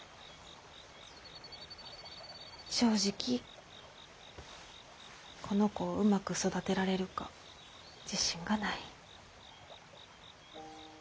正直この子をうまく育てられるか自信がない。